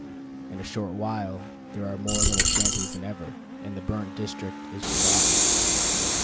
In a short while there are more little shanties than ever, and the burnt district is forgotten.